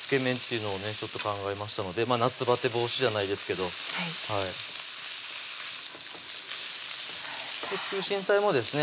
ちょっと考えましたので夏ばて防止じゃないですけど空心菜もですね